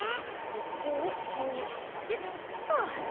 ここをこうしてっと。